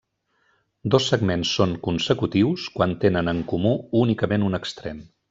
Dos segments són consecutius quan tenen en comú únicament un extrem.